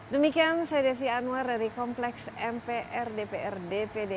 demikian saya desy anwar dari kompleks mpr dprd